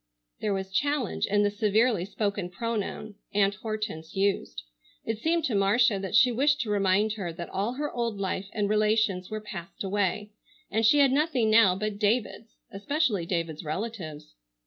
There was challenge in the severely spoken pronoun Aunt Hortense used. It seemed to Marcia that she wished to remind her that all her old life and relations were passed away, and she had nothing now but David's, especially David's relatives.